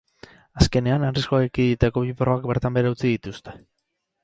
Azkenean arriskuak ekiditeko bi probak bertan behera utzi dituzte.